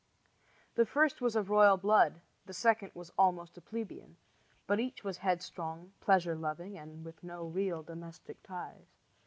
The first was of royal blood, the second was almost a plebeian; but each was headstrong, pleasure loving, and with no real domestic ties.